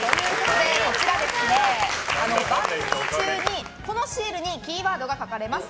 番組中にこのシールにキーワードが書かれます。